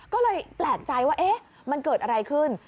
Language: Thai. ก็เลยแปลกใจว่ามันเกิดอะไรขึ้น